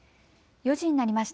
４時になりました。